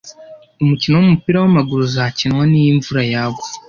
Umukino wumupira wamaguru uzakinwa, niyo imvura yagwa.